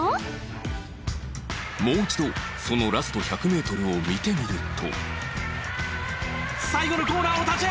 もう一度そのラスト１００メートルを見てみると